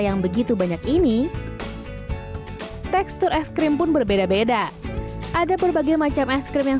yang begitu banyak ini tekstur es krim pun berbeda beda ada berbagai macam es krim yang